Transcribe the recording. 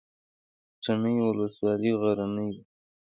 تڼیو ولسوالۍ غرنۍ ده؟